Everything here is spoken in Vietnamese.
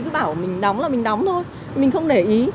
cứ bảo mình đóng là mình đóng thôi mình không để ý